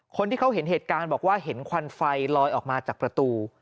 คนที่เขาเห็นเหตุการณ์บอกว่าเห็นควันไฟลอยออกมาจากประตู